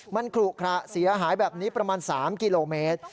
มันขลุขระเสียหายแบบนี้ประมาณ๓กิโลเมตร